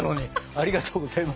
ありがとうございます。